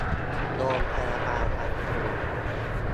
โรงพยาบาลลำพูน